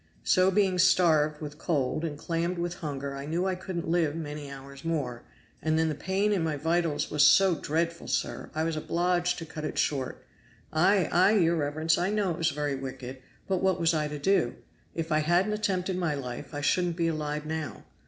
So being starved with cold and clammed with hunger I knew I couldn't live many hours more, and then the pain in my vitals was so dreadful, sir, I was obliged to cut it short. Ay! ay! your reverence, I know it was very wicked but what was I to do? If I hadn't attempted my life I shouldn't be alive now.